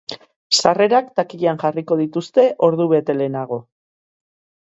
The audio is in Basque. Sarrerak takillan jarriko dituzte ordubete lehenago.